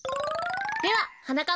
でははなかっ